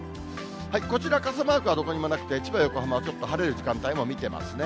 こちら、傘マークはどこにもなくて、千葉、横浜はちょっと晴れる時間帯も見てますね。